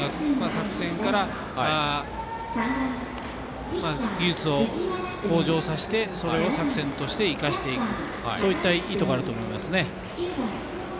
作戦から技術を向上させてそれを作戦として生かしていくそういった意図があると思います。